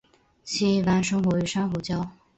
其一般生活于珊瑚礁。